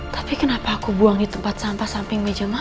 tapi kenapa aku buang di tempat sampah samping meja makan